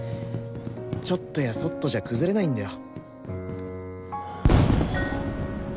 ちょっとやそっとじゃ崩れないんだよ。